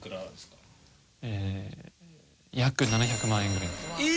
約７００万円ぐらいですね。